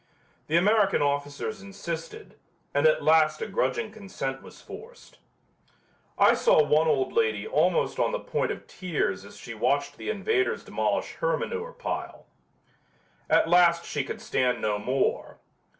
The American officers insisted, and at last a grudging consent was forced. I saw one old lady almost on the point of tears as she watched the invaders demolish her manure pile. At last she could stand no more.